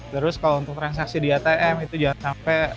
terus kalau untuk transaksi di atm itu jangan sampai